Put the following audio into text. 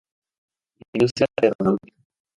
Industria aeronáutica.